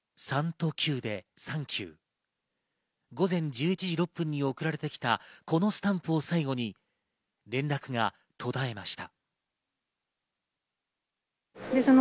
午前１１時６分に送られてきたこのスタンプを最後に連絡が途絶えました。